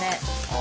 あ！